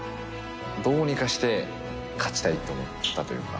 どうにかして、勝ちたいって思ったというか。